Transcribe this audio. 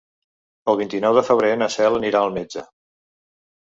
El vint-i-nou de febrer na Cel anirà al metge.